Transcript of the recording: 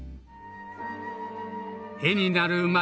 絵になる街